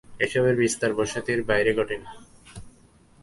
এসবের বিস্তার বসতির বাইরে ঘটেনি।